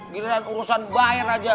giliran urusan bayar aja